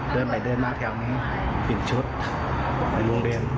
เดินไปเดินมาแถมปิดชุดไปโรงเรียน